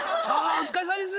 お疲れさまです。